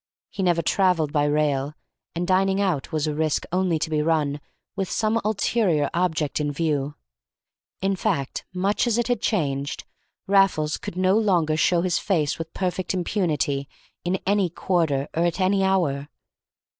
He never travelled by rail, and dining out was a risk only to be run with some ulterior object in view. In fact, much as it had changed, Raffles could no longer show his face with perfect impunity in any quarter or at any hour.